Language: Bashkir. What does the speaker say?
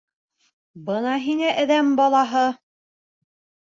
Бына һиңә әҙәм балаһы!